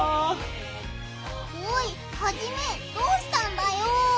おいハジメどうしたんだよ！